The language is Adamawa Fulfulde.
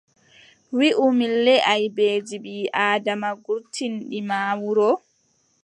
Wiʼu min le aybeeji ɓii- Aadama gurtinɗi ma wuro.